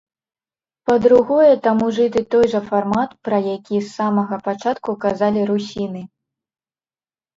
Па-другое, там ужыты той жа фармат, пра які з самага пачатку казалі русіны.